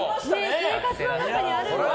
生活の中にあるんですね。